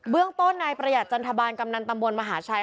เรื่องต้นนายประหยัดจันทบาลกำนันตำบลมหาชัย